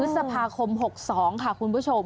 พฤษภาคม๖๒ค่ะคุณผู้ชม